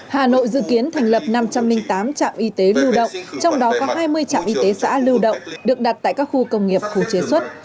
hà nội dự kiến thành lập năm trăm linh tám trạm y tế lưu động trong đó có hai mươi trạm y tế xã lưu động được đặt tại các khu công nghiệp khu chế xuất